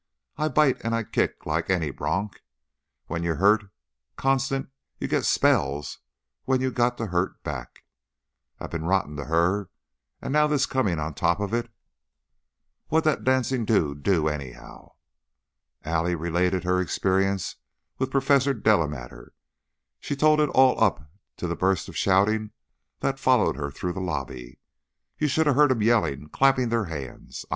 I bite and kick like any bronc. When you're hurt, constant, you get spells when you've got to hurt back. I've been rotten to her, and now this coming on top of it " "Wha'd that dancin' dude do, anyhow?" Allie related her experience with Professor Delamater; she told it all up to the burst of shouting that followed her through the lobby. "You should of heard 'em yelling, clapping their hands